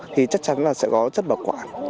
thì chắc chắn là sẽ có chất bảo quản